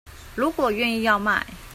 如果願意要賣